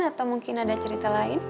atau mungkin ada cerita lain